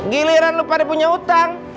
giliran lo pada punya utang